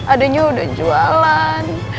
adanya udah jualan